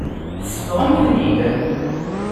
Tsebɣem-ten-id.